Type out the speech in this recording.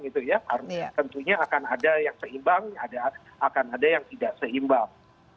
tentunya akan ada yang seimbang akan ada yang tidak seimbang